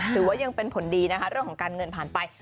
ถือว่ายังเป็นผลดีนะคะเรื่องของการเงินผ่านไป